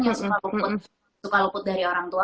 ya suka luput dari orang tua